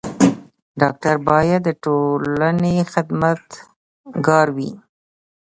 ډاکټر بايد د ټولني خدمت ګار وي.